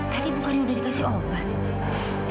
tadi ibu karyo udah dikasih obat